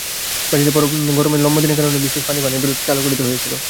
ব্রাজিলের গরমে লম্বা দিনের কারণে বিশেষ পানি পানের বিরতি চালু করতে হয়েছিল।